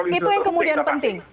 itu yang kemudian penting